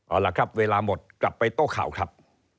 เอาล่ะครับเวลาหมดกลับไปโต้ข่าวครับ